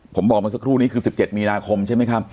ผมบอกมาสักครู่นี้คือ๑๗มีนาคมใช่มั้ยครับ